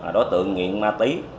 đối tượng nghiện ma tí